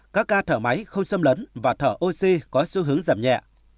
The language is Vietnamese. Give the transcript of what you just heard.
các ca thở máy không xâm lấn và thở oxy có xu hướng giảm nhẹ